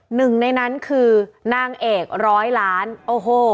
หนึ่งในนั้นคือนางเอกร้อยล้านโอ้โห